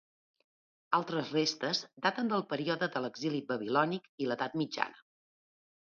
Altres restes daten del període de l'exili babilònic i l'edat mitjana.